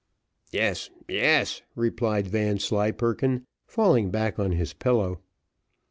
"Yes, yes," replied Vanslyperken, falling back on his pillow.